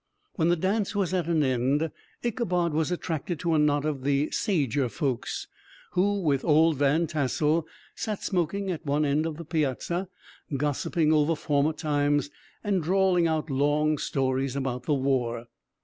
When the dance was at an end, Ichabod was attracted to a knot of the sager folks, who, with Old Van Tassel, sat smoking at one end of the piazza, gossiping over former times, and drawling out long stories about the war.